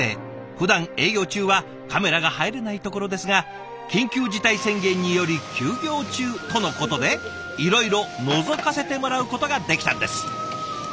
ふだん営業中はカメラが入れないところですが緊急事態宣言により休業中とのことでいろいろのぞかせてもらうことができたんです。